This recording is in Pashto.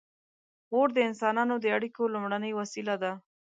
• اور د انسانانو د اړیکو لومړنۍ وسیله وه.